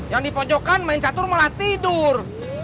yang di pojokan main catur malah tidur